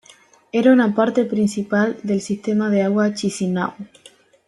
Era una parte principal del sistema de agua de Chisinau.